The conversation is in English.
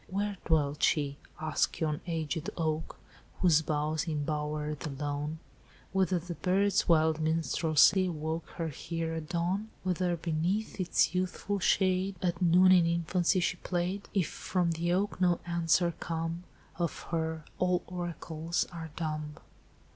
"'Where dwelt she? ask yon aged oak Whose boughs embower the lawn, Whether the bird's wild minstrelsy Awoke her here at dawn? Whether beneath its youthful shade At noon, in infancy, she played? If from the oak no answer come Of her, all oracles are dumb!